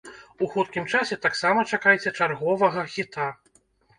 У хуткім часе таксама чакайце чарговага хіта.